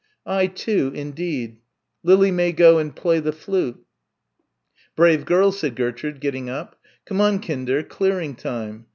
"I too, indeed. Lily may go and play the flute." "Brave girls," said Gertrude, getting up. "Come on, Kinder, clearing time.